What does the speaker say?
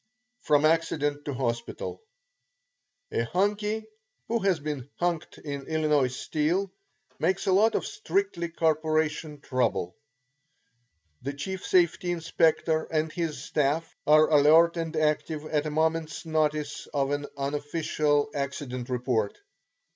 FROM ACCIDENT TO HOSPITAL A "Hunkie" who has been "hunked" in Illinois Steel makes a lot of strictly corporation trouble. The chief "safety inspector" and his staff are alert and active at a moment's notice of an unofficial accident report.